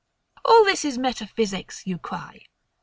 All this is metaphysics, you cry.